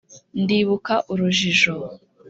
ndibuka urujijo